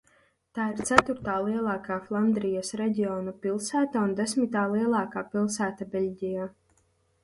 Tā ir ceturtā lielākā Flandrijas reģiona pilsēta un desmitā lielākā pilsēta Beļģijā.